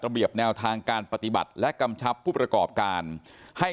เบียบแนวทางการปฏิบัติและกำชับผู้ประกอบการให้